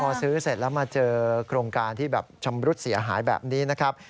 พอซื้อเสร็จแล้วมาเจอโครงการที่แบบชำรุดเสียหายแบบนี้นะครับ